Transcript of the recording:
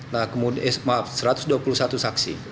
nah kemudian maaf satu ratus dua puluh satu saksi